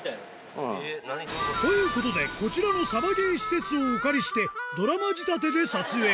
うん。ということで、こちらのサバゲー施設をお借りして、ドラマ仕立てで撮影。